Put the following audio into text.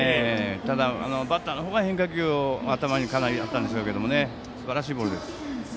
ただ、バッターの方は変化球を頭にかなりあったんでしょうけどすばらしいボールです。